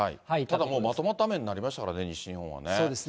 ただもう、まとまった雨になりましたからね、西日本はね。